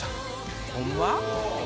ホンマ？